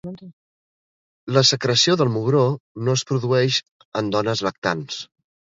La secreció del mugró no es produeix en dones lactants.